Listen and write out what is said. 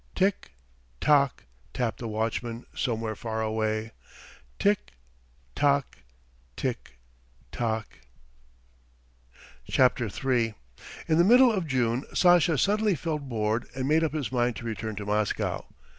"Tick tock," tapped the watchman somewhere far away. "Tick tock ... tick tock. ..." III In the middle of June Sasha suddenly felt bored and made up his mind to return to Moscow.